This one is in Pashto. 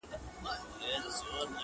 چي به ښكار د كوم يو سر خولې ته نژدې سو!.